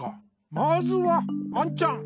まずはアンちゃん。